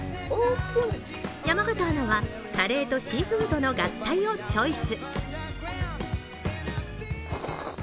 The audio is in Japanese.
山形アナはカレーとシーフードの合体をチョイス。